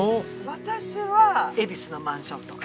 私は恵比寿のマンションとか。